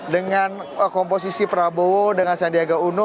dengan komposisi prabowo dengan sandiaga uno